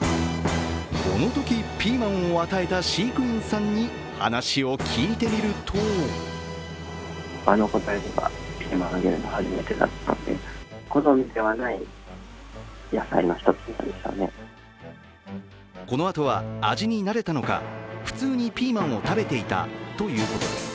このときピーマンを与えた飼育員さんに話を聞いてみるとこのあとは味に慣れたのか普通にピーマンを食べていたということです。